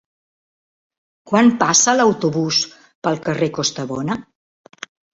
Quan passa l'autobús pel carrer Costabona?